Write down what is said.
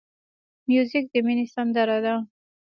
موزیک د مینې سندره ده.